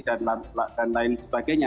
dan lain sebagainya